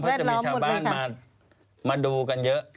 ไปเสามีชาวบ้านมามาดูกันเยอะ